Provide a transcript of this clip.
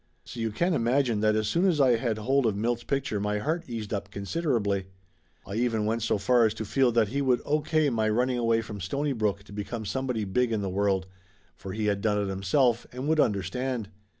So you can imagine that as soon as I had hold of Milt's picture my heart eased up considerably. I even went so far as to feel that he would O.K. my running away from Stonybrook to become somebody big in the world, for he had done it himself and would under stand.